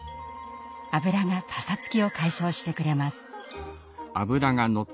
脂がパサつきを解消してくれます。